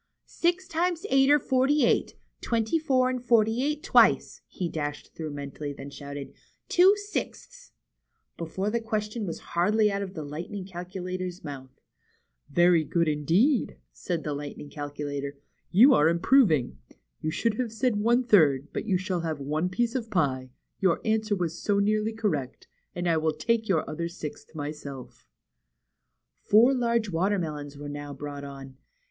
"Six times eight are forty eight; twenty four in forty THE LIGHTNING CAL CULATOR. BEHIND THE WARDROBE. 77 eight twice/' he dashed through mentally, then shouted, Two sixths !" before the question was hardly out of the Lightning Calculator's mouth. i^Yery good, indeed," said the Lightning Calculator. ^^You are improving. You should have said one third, but you shall have one piece of pie, your answer was so nearly correct, and I will take your other sixth myself." Four large watermelons were now brought on.